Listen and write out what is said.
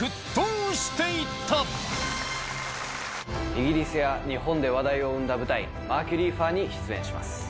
イギリスや日本で話題を生んだ舞台『マーキュリー・ファー』に出演します。